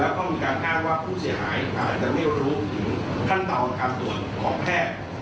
แล้วก็มีการคาดว่าผู้เสียหายอาจจะไม่รู้ถึงขั้นตอนการตรวจของแพทย์